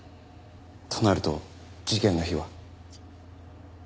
となると事件の日は。